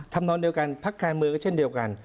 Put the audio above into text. นอนเดียวกันพักการเมืองก็เช่นเดียวกัน